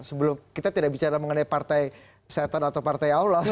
sebelum kita tidak bicara mengenai partai setan atau partai allah